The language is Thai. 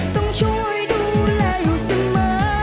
ต้องช่วยดูแลอยู่เสมอ